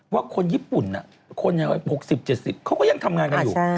ว่าคนญี่ปุ่นคนยัง๖๐๗๐เขาก็ยังทำงานกันอยู่